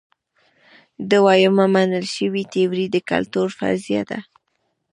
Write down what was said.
دویمه منل شوې تیوري د کلتور فرضیه ده.